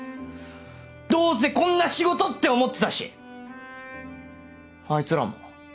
どうせこんな仕事って思ってたしあいつらも。